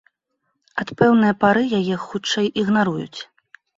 Ад пэўнае пары яе, хутчэй, ігнаруюць.